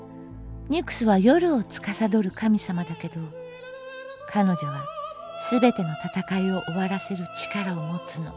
ニュクスは夜を司る神様だけど彼女は全ての戦いを終わらせる力を持つの。